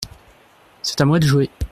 C’est à moi de jouer.